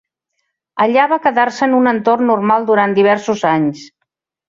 Allà, va quedar-se en un entorn normal durant diversos anys.